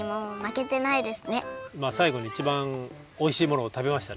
まあさいごにいちばんおいしいものを食べましたね。